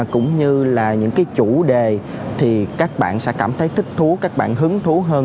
cũng như là những cái chủ đề thì các bạn sẽ cảm thấy thích thú các bạn hứng thú hơn